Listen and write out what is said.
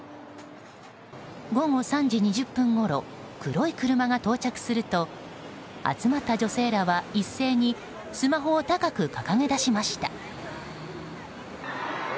午後３時２０分ごろ黒い車が到着すると集まった女性らは、一斉にスマホを高く掲げだしました。